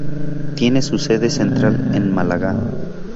Tiene su sede central en Málaga.